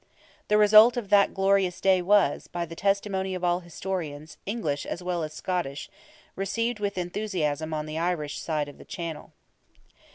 The result of that glorious day was, by the testimony of all historians, English as well as Scottish, received with enthusiasm on the Irish side of the channel.